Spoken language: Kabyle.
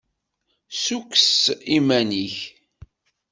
Ssukkes iman-nnek.